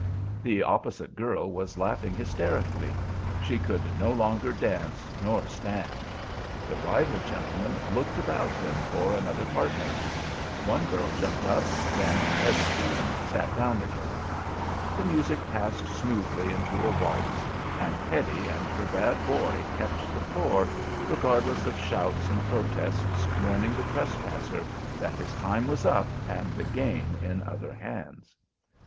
The opposite girl was laughing hysterically; she could no longer dance nor stand. The rival gentleman looked about him for another partner. One girl jumped up, then, hesitating, sat down again. The music passed smoothly into a waltz, and Hetty and her bad boy kept the floor, regardless of shouts and protests warning the trespasser that his time was up and the game in other hands.